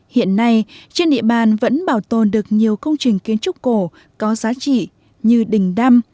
hiện nay trên địa bàn vẫn bảo tồn được nhiều công trình kiến trúc cổ có giá trị như đình đăng